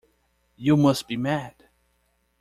You must be mad.